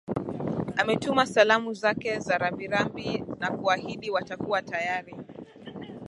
ametuma salamu zake za rambirambi na kuahidi watakuwa tayari